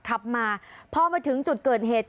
ขับมาพอมาถึงจุดเกิดเหตุ